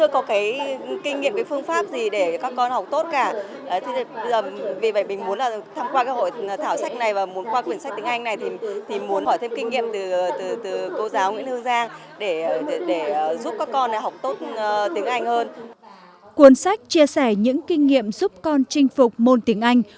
cuốn sách chia sẻ những kinh nghiệm giúp con chinh phục môn tiếng anh